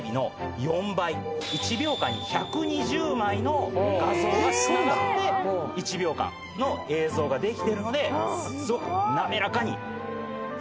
１秒間に１２０枚の画像がつながって１秒間の映像ができてるのですごく。